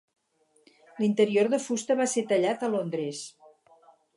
L'interior de fusta va ser tallat a Londres.